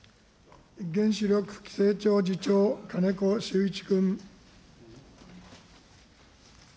原子力規制庁次長、金子修一君。